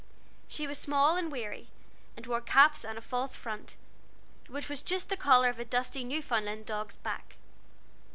She was small and wiry, and wore caps and a false front, which was just the color of a dusty Newfoundland dog's back.